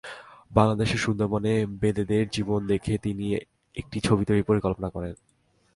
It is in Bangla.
বাংলাদেশের সুন্দরবনের বেদেদের জীবন দেখে তিনি একটি ছবি তৈরির পরিকল্পনা করেন।